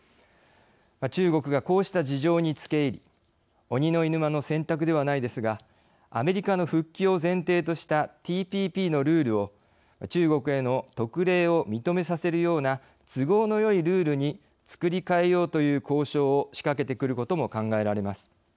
中国がこうした事情につけ入り鬼の居ぬ間の洗濯ではないですがアメリカの復帰を前提としたＴＰＰのルールを中国への特例を認めさせるような都合のよいルールにつくり変えようという交渉を仕掛けてくることも考えられます。